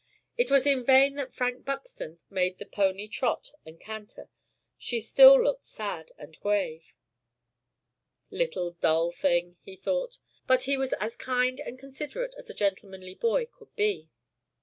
It was in vain that Frank Buxton made the pony trot and canter; she still looked sad and grave. "Little dull thing!" he thought; but he was as kind and considerate as a gentlemanly boy could be.